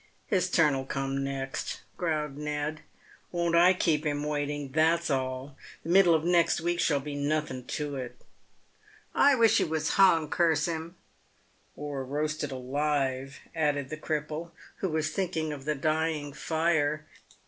"His turn will come next," growled JSTed. "Won't I keep him waiting, that's all ; the middle of next week shall be nothen to it." " I wish he was hung, curse him !"" Or roasted alive," added the cripple, who was thinking of the dying fire.